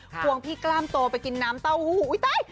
ควงพี่กล้ามโตไปกินน้ำเต้าหู้อุ๊ยตาย